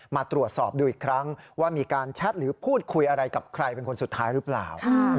มาตรวจสอบดูอีกครั้งว่ามีการแชทหรือพูดคุยอะไรกับใครเป็นคนสุดท้ายหรือเปล่า